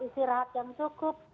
istirahat yang cukup